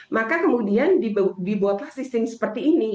maka kemudian dibuatlah sistem seperti ini